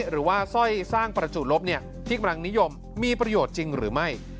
หรือว่าสร้อยสร้างประจุลบที่กำลังนิยมมีประโยชน์จริงหรือไม่